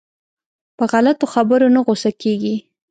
په غلطو خبرو نه غوسه کېږي.